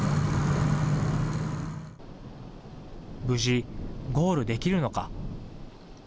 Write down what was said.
無事、ゴールできるのか。